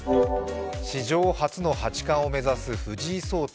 史上初の八冠を目指す藤井聡太